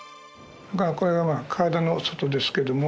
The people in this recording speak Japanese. これがまあ体の外ですけども。